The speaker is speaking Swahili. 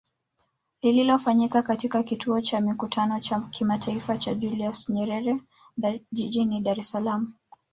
Lililofanyika katika kituo cha Mikutano cha Kimataifa cha Julius Nyerere jijini Dar es Salaam